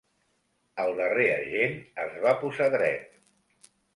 El darrer agent es va posar dret.